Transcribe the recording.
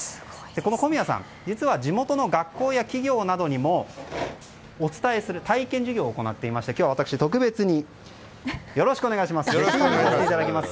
この小宮さん実は地元の学校や企業などにもお伝えする体験授業を行っていまして今日は私、特別に体験させていただきます。